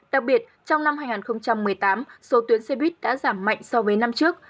đặc biệt trong năm hai nghìn một mươi tám số tuyến xe buýt đã giảm mạnh so với năm trước